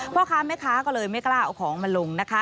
พ่อค้าแม่ค้าก็เลยไม่กล้าเอาของมาลงนะคะ